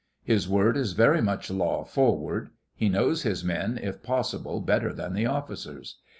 His word is very much law forward. He knows his men, if possible, better than the officers.